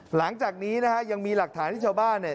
หลังจากนี้ยังมีหลักฐานที่ชาวบ้าน